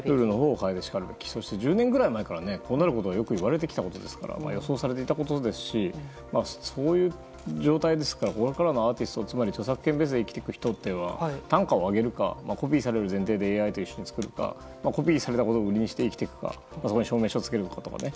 そして、１０年くらい前からこうなることはよく言われてきたことですから予想されていたことですしそういう状態ですからこれからのアーティストつまり著作権ベースで生きていく人は単価を上げるかコピーされる前提でＡＩと一緒に作るかコピーされたことを売りにして生きていくか、証明書をつけるか。